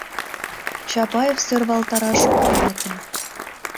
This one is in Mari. Чапаев сӧрвалтараш ок йӧрате.